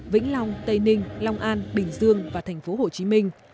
vĩnh long tây ninh long an bình dương và thành phố hồ chí minh